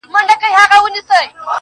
سبا چي راسي د سبــا له دره ولــوېږي.